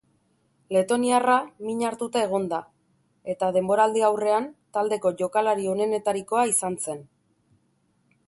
Letoniarra min hartuta egon da, eta denboraldi-aurrean taldeko jokalari onenetarikoa izan zen.